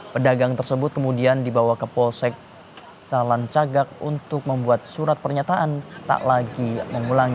pedagang tersebut kemudian dibawa ke polsek calon cagak untuk membuat surat pernyataan tak lagi mengulangi